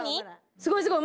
すごいすごい。